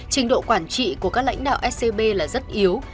trình độ quản trị của các lãnh đạo scb là rất yếu